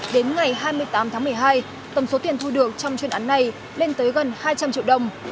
đến ngày hai mươi tám tháng một mươi hai tổng số tiền thu được trong chuyên án này lên tới gần hai trăm linh triệu đồng